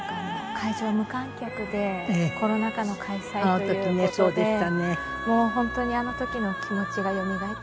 会場無観客でコロナ禍の開催という事でもう本当にあの時の気持ちがよみがえってくるといいますか。